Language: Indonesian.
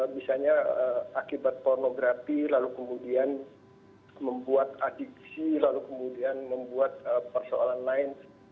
misalnya akibat pornografi lalu kemudian membuat adiksi lalu kemudian membuat persoalan lain